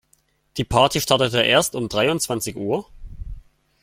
Die Party startete erst um dreiundzwanzig Uhr?